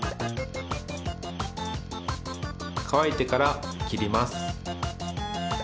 かわいてからきります。